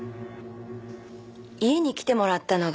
家に来てもらったのが最後です。